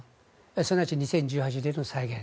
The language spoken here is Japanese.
すなわち２０１８年の再現。